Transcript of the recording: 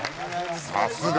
さすが！